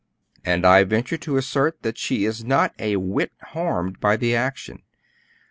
And I venture to assert that she is not a whit harmed by the action.